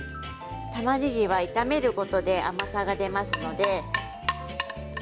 たまねぎは炒めることで甘さが出ますので。